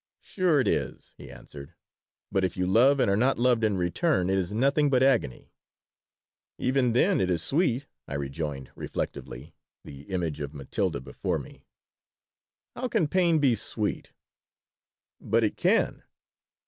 "Sure it is," he answered. "But if you love and are not loved in return it is nothing but agony." "Even then it is sweet," I rejoined, reflectively, the image of Matilda before me. "How can pain be sweet?" "But it can."